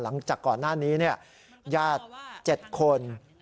หลังจากก่อนหน้านี้ญาติ๗คน